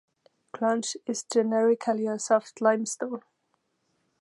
Clunch is generically a soft limestone.